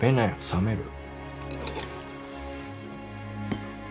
冷める。